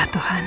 itu t yeni